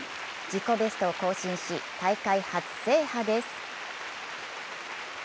自己ベストを更新し大会初制覇です。